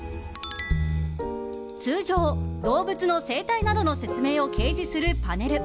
通常、動物の生態などの説明を掲示するパネル。